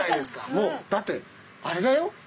もうだってあれだよ。